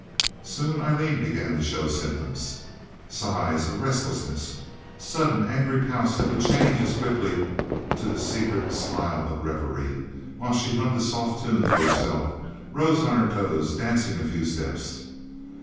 Soon Eileen began to show symptoms: Sighs. A restlessness. Sudden angry pouts that would change as quickly to the secret smiles of reverie, while she hummed a soft tune to herself, and rose on her toes, dancing a few steps.